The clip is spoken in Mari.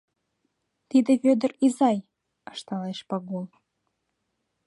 — Тиде Вӧдыр изай, — ышталеш Пагул.